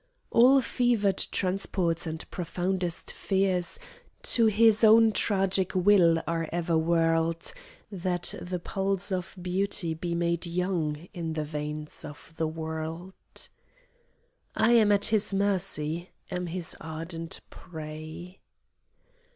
All fevered transports and profoundest fears To his own tragic will are ever whirled, That the pulse of beauty be made young In the veins of the world. I am at his mercy, am his ardent prey!